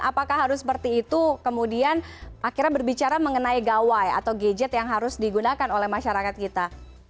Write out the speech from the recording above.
apakah harus seperti itu kemudian akhirnya berbicara mengenai gawai atau gadget yang harus digunakan oleh masyarakat kita